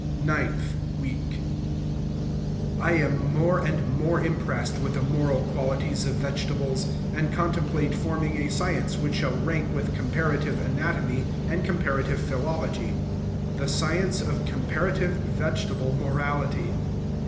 NINTH WEEK I am more and more impressed with the moral qualities of vegetables, and contemplate forming a science which shall rank with comparative anatomy and comparative philology, the science of comparative vegetable morality.